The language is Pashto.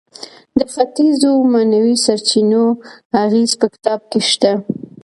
د ختیځو معنوي سرچینو اغیز په کتاب کې شته.